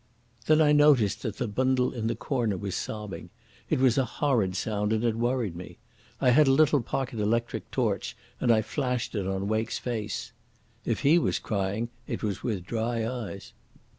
Then I noticed that the bundle in the corner was sobbing. It was a horrid sound and it worried me. I had a little pocket electric torch and I flashed it on Wake's face. If he was crying, it was with dry eyes.